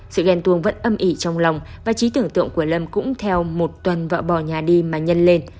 sự ghen tuồng vẫn âm ỉ trong lòng và trí tưởng tượng của lâm cũng theo một tuần và bỏ nhà đi mà nhân lên